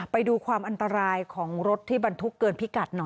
ไปดูความอันตรายของรถที่บรรทุกเกินพิกัดหน่อย